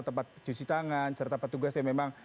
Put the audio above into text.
tempat cuci tangan serta petugas yang memang